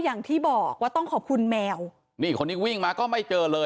หนึ่งร้อยเก้าไปเจอกับพลเมิงดีนะคะนายพิภพมัยตรีธรรมอายุเจ็ดสิบสี่